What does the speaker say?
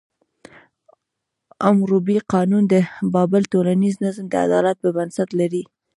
حموربي قانون د بابل ټولنیز نظم د عدالت په بنسټ لري.